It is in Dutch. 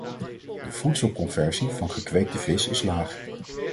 De voedselconversie van gekweekte vis is laag.